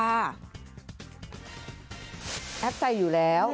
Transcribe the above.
แอปใส่อยู่แล้ว